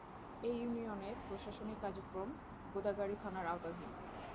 এ ইউনিয়নের প্রশাসনিক কার্যক্রম গোদাগাড়ী থানার আওতাধীন।